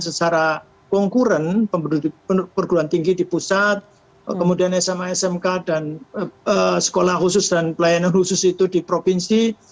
secara konkuren perguruan tinggi di pusat kemudian sma smk dan sekolah khusus dan pelayanan khusus itu di provinsi